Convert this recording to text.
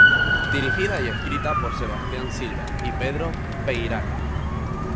Dirigida y escrita por Sebastián Silva y Pedro Peirano.